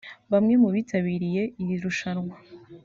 Bamwe mu bitabiriye iri rushanwa